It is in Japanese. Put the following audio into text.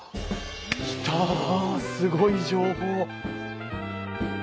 来たすごい情報！